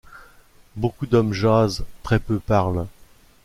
Beaucoup d’hommes jasent, très peu parlent.